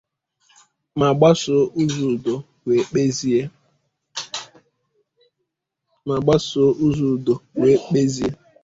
ma gbasoo ụzọ udo wee kpezie